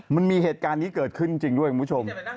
มันมีเหตุการณ์นี้เกิดขึ้นจริงด้วยคุณผู้ชม